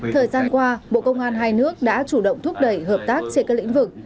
thời gian qua bộ công an hai nước đã chủ động thúc đẩy hợp tác trên các lĩnh vực